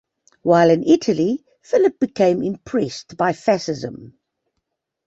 While in Italy, Philipp became impressed by Fascism.